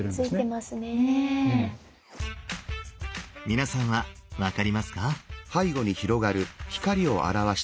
皆さんは分かりますか？